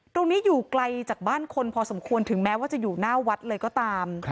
อยู่ไกลจากบ้านคนพอสมควรถึงแม้ว่าจะอยู่หน้าวัดเลยก็ตาม